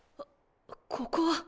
ここは。